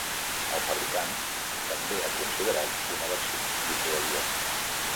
El fabricant també ha considerat una versió d'hidroavió.